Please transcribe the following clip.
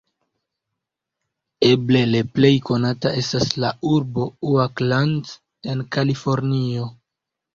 Eble le plej konata estas la urbo Oakland en Kalifornio.